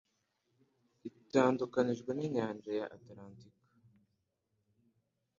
itandukanijwe n'inyanja ya Atalantika